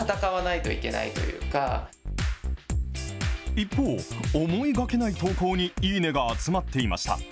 一方、思いがけない投稿にいいね！が集まっていました。